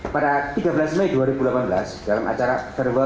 pada tiga belas mei dua ribu delapan belas dalam acara verbal